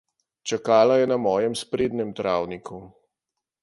Čakala je na mojem sprednjem travniku.